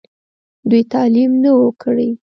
دوي تعليم نۀ وو کړی